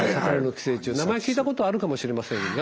名前は聞いたことあるかもしれませんが。